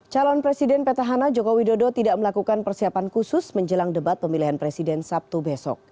calon presiden petahana jokowi dodo tidak melakukan persiapan khusus menjelang debat pemilihan presiden sabtu besok